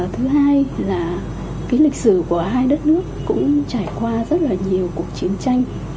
thứ hai là cái lịch sử của hai đất nước cũng trải qua rất là nhiều cuộc chiến tranh